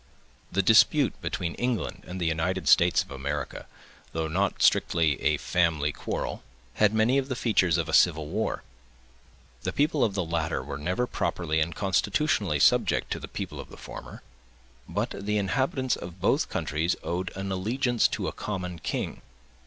The dispute between England and the United States of America, though not strictly a family quarrel, had many of the features of a civil war. The people of the latter were never properly and constitutionally subject to the people of the former, but the inhabitants of both countries owed allegiance to a common king.